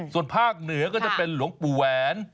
ส่วนภาคเหนือก็จะเป็นหลวงปู่แหวน